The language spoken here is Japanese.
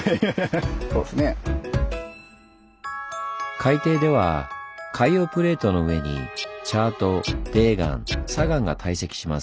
海底では海洋プレートの上にチャート泥岩砂岩が堆積します。